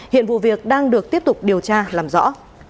hiện vụ việc đang được tiếp tục điều tra làm rõ